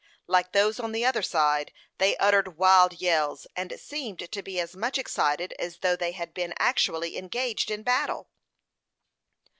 Like those on the other side, they uttered wild yells, and seemed to be as much excited as though they had been actually engaged in battle.